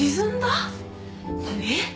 えっ？